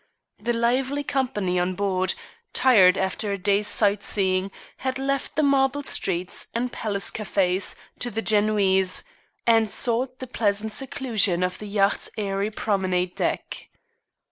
The lively company on board, tired after a day's sight seeing, had left the marble streets and palace cafés to the Genoese, and sought the pleasant seclusion of the yacht's airy promenade deck.